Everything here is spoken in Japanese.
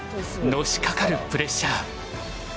のしかかるプレッシャー。